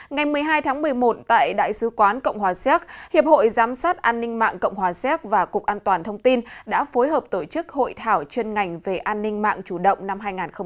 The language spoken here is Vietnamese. ngày một mươi hai tháng một mươi một tại đại sứ quán cộng hòa xéc hiệp hội giám sát an ninh mạng cộng hòa xéc và cục an toàn thông tin đã phối hợp tổ chức hội thảo chuyên ngành về an ninh mạng chủ động năm hai nghìn hai mươi